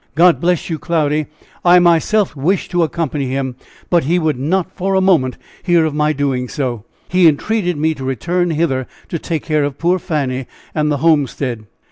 "God bless you, Cloudy! I myself wished to accompany him, but he would not for a moment hear of my doing so he entreated me to return hither to take care of poor Fanny and the homestead."